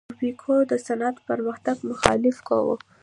یوبیکو د صنعت د پرمختګ مخالفت کاوه.